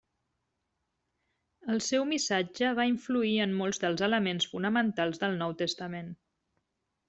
El seu missatge va influir en molts dels elements fonamentals del Nou Testament.